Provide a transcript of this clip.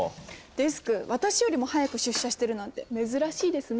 デスク私よりも早く出社してるなんて珍しいですね。